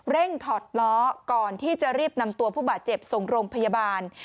ถอดล้อก่อนที่จะรีบนำตัวผู้บาดเจ็บส่งโรงพยาบาล